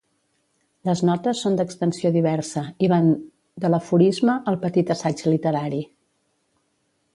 Les notes són d'extensió diversa i van de l'aforisme al petit assaig literari.